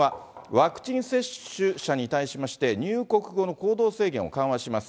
ワクチン接種者に対しまして、入国後の行動制限を緩和します。